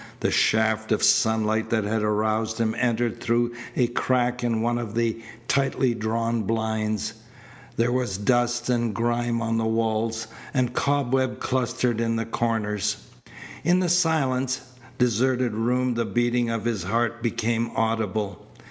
The shaft of sunlight that had aroused him entered through a crack in one of the tightly drawn blinds. There were dust and grime on the wails, and cobwebs clustered in the corners. In the silent, deserted room the beating of his heart became audible.